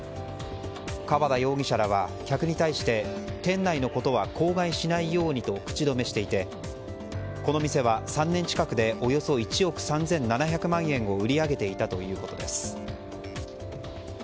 川田容疑者らは、客に対して店内のことは口外しないようにと口止めしていてこの店は、３年近くでおよそ１億３７００万円を売り上げていたということです。